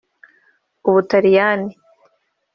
u Butaliyani